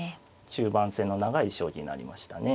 中盤戦の長い将棋になりましたね。